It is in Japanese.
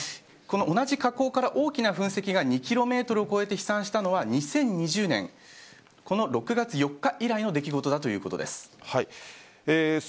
同じ火口から大きな噴石が２ｋｍを超えて飛散したのは２０２０年６月４日以来の出来事だということです。